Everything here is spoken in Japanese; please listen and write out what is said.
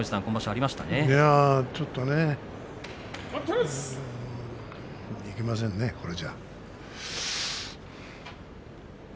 いや、ちょっとねいけませんね、これじゃあ。